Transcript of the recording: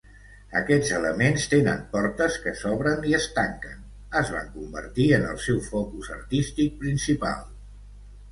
Aquests elements tenen portes que s'obren i es tanquen; es van convertir en el seu focus artístic principal.